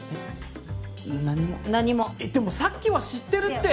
でもさっきは知ってるって！